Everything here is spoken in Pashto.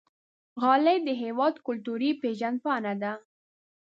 غالۍ د هېواد کلتوري پیژند پاڼه ده.